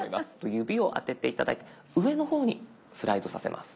指をあてて頂いて上の方にスライドさせます。